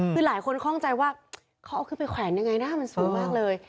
คือหลายคนคล่องใจว่าเขาเอาขึ้นไปแขวนยังไงนะมันสูงมากเลย